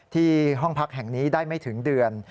ที่ห้องพักแห่งนี้ได้ไม่ถึงเดือน